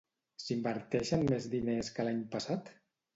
S'inverteixen més diners que l'any passat?